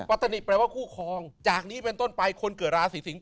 ปัตตนิคือคู่ครองจากนี้เป็นต้นไปคนเกิดราศรีสิงฯ